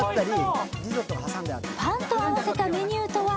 パンと合わせたメニューとは？